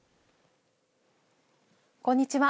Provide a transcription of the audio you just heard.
こんにちは。